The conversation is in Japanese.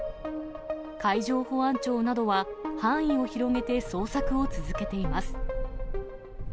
海上保安庁などは、範囲を広げて捜索を続けています。